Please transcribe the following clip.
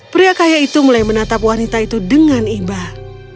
pria kaya itu mulai menatap wanita itu dengan imbah